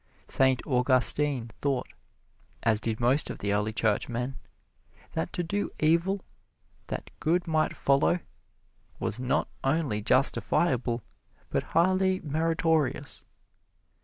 Saint Augustine thought, as did most of the early Churchmen, that to do evil that good might follow was not only justifiable, but highly meritorious.